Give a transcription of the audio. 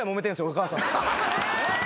お母さんと。